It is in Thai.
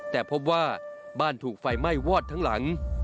แต่พบว่าบ้านถูกไฟไหม้วอดทั้งหลัง